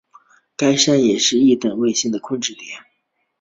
该山也是一等卫星控制点。